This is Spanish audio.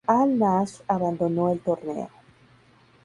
Al-Nasr abandonó el torneo.